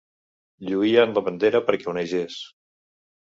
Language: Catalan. Lluïen la bandera perquè onegés.